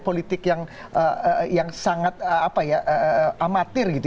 politik yang sangat amatir gitu